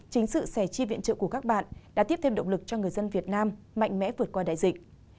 chính sự sẻ chia viện trợ của các bạn đã tiếp thêm động lực cho người dân việt nam mạnh mẽ vượt qua đại dịch